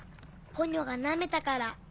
ポニョがなめたから。